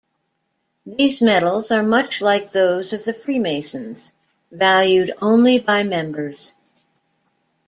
These medals are much like those of the Freemasons, valued only by members.